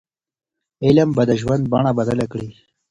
علم به د ژوند بڼه بدله کړي.